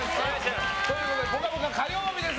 ということで「ぽかぽか」火曜日です。